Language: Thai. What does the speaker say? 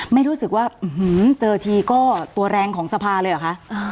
ไม่รู้สึกว่าเจอทีก็ตัวแรงของสภาเลยเหรอคะ